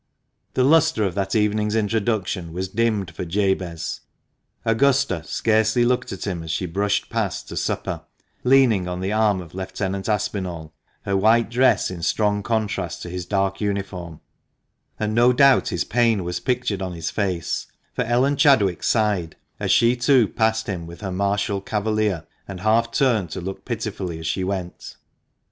The lustre of that evening's introduction was dimmed for Jabez. Augusta scarcely looked at him as she brushed past to supper, leaning on the arm of Lieutenant Aspinall, her white dress in strong contrast to his dark uniform ; and no doubt his pain was pictured on his face, for Ellen Chadwick sighed, as she too passed him with her martial cavalier, and half turned to look pitifully as she went.